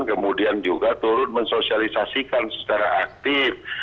kemudian juga turut mensosialisasikan secara aktif